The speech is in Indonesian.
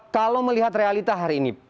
kalau melihat realita hari ini